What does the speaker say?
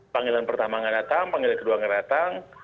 panggilan pertama nggak datang panggilan kedua nggak datang